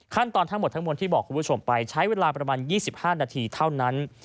ทั้งหมดทั้งมวลที่บอกคุณผู้ชมไปใช้เวลาประมาณ๒๕นาทีเท่านั้น